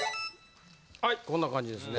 はいこんな感じですね。